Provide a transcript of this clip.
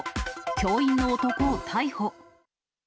教員の男を逮捕。